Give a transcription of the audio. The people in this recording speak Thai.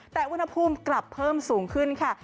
แต่ธุรกรรมกลับเพิ่มสูงขึ้นค่ะ